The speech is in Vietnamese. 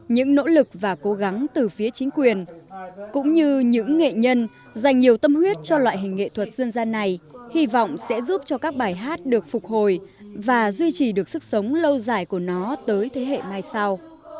những nỗ lực và cố gắng từ phía chính quyền cũng như những nghệ nhân dành nhiều tâm huyết cho loại hình nghệ thuật dân gian này hy vọng sẽ giúp cho các bài hát được phục hồi và duy trì được sức sống lâu dài của nó tới thế hệ mai sau